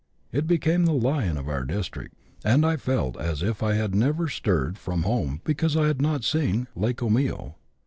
It be came the lion of our district, and I felt as if I had never stirred from home because I had not seen Lake Omio.